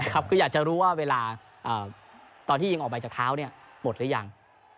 ครับคืออยากจะรู้ว่าเวลาตอนที่ยิงออกไปจากเท้าเนี่ยหมดหรือยัง